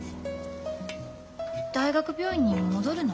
大学病院に戻るの？